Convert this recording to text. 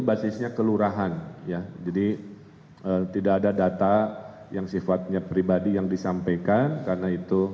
basisnya kelurahan ya jadi tidak ada data yang sifatnya pribadi yang disampaikan karena itu